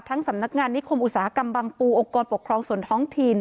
สำนักงานนิคมอุตสาหกรรมบางปูองค์กรปกครองส่วนท้องถิ่น